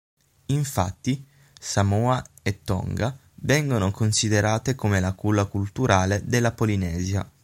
Infatti Samoa e Tonga vengono considerate come la culla culturale della Polinesia.